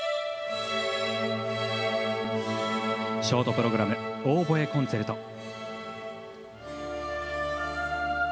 ショートプログラム、オーボエコンツェルト。